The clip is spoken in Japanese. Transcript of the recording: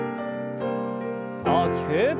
大きく。